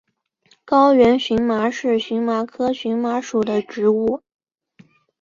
高原荨麻是荨麻科荨麻属的植物。